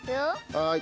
はい。